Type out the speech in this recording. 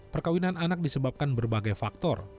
perkawinan anak disebabkan berbagai faktor